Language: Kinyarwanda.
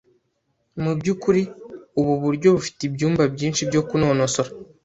Mubyukuri, ubu buryo bufite ibyumba byinshi byo kunonosora.